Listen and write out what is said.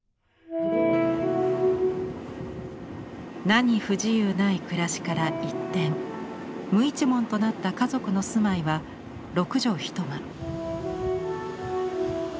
何不自由ない暮らしから一転無一文となった家族の住まいは６畳１間。